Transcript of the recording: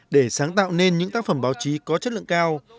để sáng tạo nên những tác phẩm báo chí có chất lượng cao